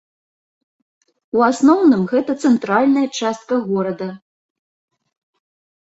У асноўным гэта цэнтральная частка горада.